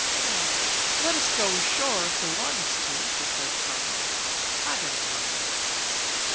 "Well, let us go ashore if they want us to," she said calmly. "I don't mind."